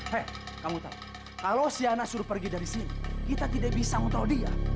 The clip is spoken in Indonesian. hei kamu tahu kalau si anak suruh pergi dari sini kita tidak bisa mengontrol dia